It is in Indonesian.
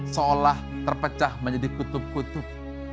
seolah terpecah menjadi kutub kutub